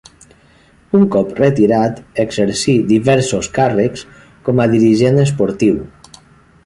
Un cop retirat exercí diversos càrrecs com a dirigent esportiu.